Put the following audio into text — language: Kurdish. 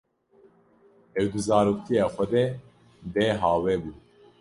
Ew di zaroktiya xwe de bêhawe bû.